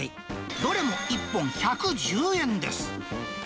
どれも１本１１０円です。